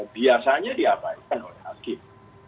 biasanya diabaikan oleh hakim